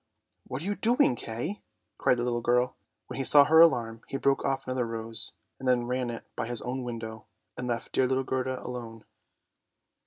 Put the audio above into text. " What are you doing, Kay? " cried the little girl. When he saw her alarm, he broke off another rose, and then ran in, by his own window, and left dear little Gerda alone.